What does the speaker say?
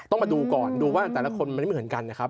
ต้องมาดูก่อนดูว่าแต่ละคนมันไม่เหมือนกันนะครับ